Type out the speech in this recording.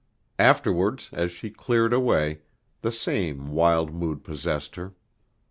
Afterwards, as she cleared away, the same wild mood possessed her.